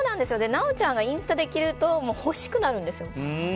なおちゃんがインスタで着ると欲しくなるんですよ。